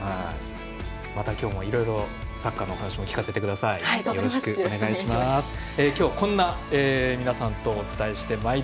また今日もいろいろサッカーのお話も聞かせてください。